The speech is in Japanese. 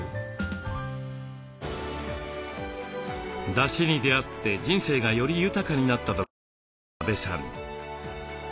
だしに出会って人生がより豊かになったと感じている阿部さん。